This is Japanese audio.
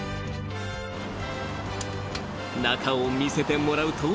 ［中を見せてもらうと］